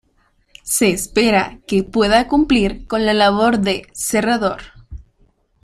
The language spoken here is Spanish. Se espera que pueda cumplir con la labor de cerrador.